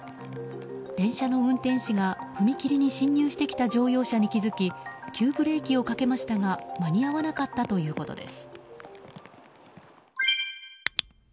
電車の運転士が、踏切に進入してきた乗用車に気づき急ブレーキをかけましたが間に合わなかったということです。